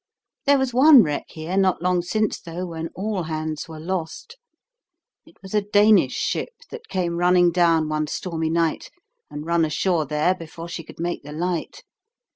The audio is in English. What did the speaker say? There was one wreck here not long since, though, when all hands were lost. It was a Danish ship that came running down one stormy night, and run ashore there before she could make the light.